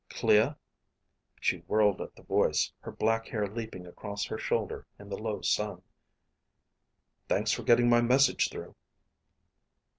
"Clea." She whirled at the voice, her black hair leaping across her shoulder in the low sun. "Thanks for getting my message through."